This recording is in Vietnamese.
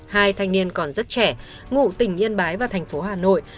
hai thanh niên còn rất trẻ ngụ tỉnh yên bái và thành phố hà nội